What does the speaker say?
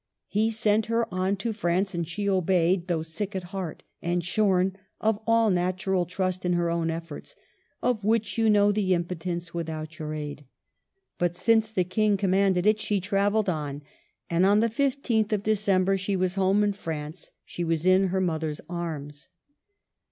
He sent her on to France and she obeyed, though sick at heart and shorn of all natural trust in her own efforts, " of which you know the impotence without your aid." But since the King commanded it, she travelled on, and on the 15th of December she was home in France ; she was in her mother's arms.